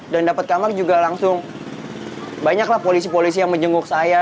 dan dapet kamar juga langsung banyak lah polisi polisi yang menjenguk saya